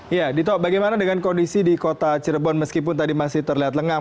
ya dito bagaimana dengan kondisi di kota cirebon meskipun tadi masih terlihat lengang